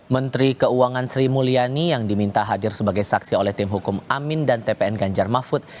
menteri keuangan sri mulyani yang diminta hadir sebagai saksi oleh tim hukum amin dan tpn ganjar mahfud